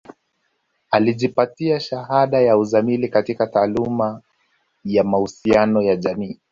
Alijipatia shahada ya uzamili katika taaluma ya mahusiano ya jamii